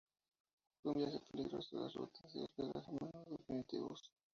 Fue un viaje peligroso, las rutas y hospedaje a menudo primitivos.